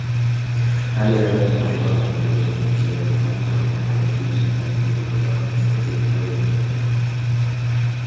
Hali ya hewa na kushuka kwa kiwango cha ubadilishaji huku kukiwa na mahitaji duni ya ndani, Naibu Gavana Michael Atingi-Ego aliuambia mkutano wa wanahabari